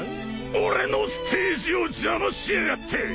俺のステージを邪魔しやがって。